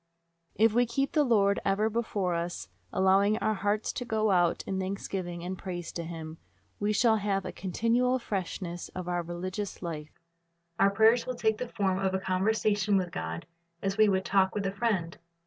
If we keep the Lord ever before us, allowing our hearts to go out in thanksgiving and praise to Him, we shall have a continual freshness in our religious life. Our prayers will take the form of a conversation with God, as we would talk with a friend.